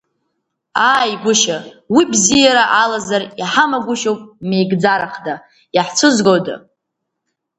Ааи, гәышьа, уи бзиара алазар иҳамагәышьоуп меигӡарахда, иаҳцәызгода…